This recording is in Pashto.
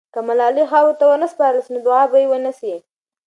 که ملالۍ خاورو ته ونه سپارل سي، نو دعا به یې ونسي.